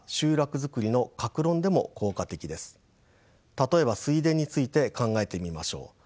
例えば水田について考えてみましょう。